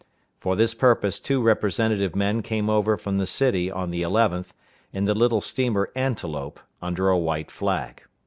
For this purpose two representative men came over from the city on the 11th, in the little steamer Antelope, under a white flag.